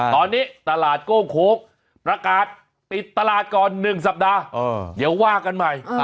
ตอนนี้ตลาดโก้งโค้งประกาศปิดตลาดก่อน๑สัปดาห์เดี๋ยวว่ากันใหม่